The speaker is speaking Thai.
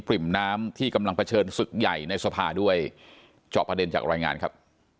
ริ่มน้ำที่กำลังเผชิญศึกใหญ่ในสภาด้วยเจาะประเด็นจากรายงานครับ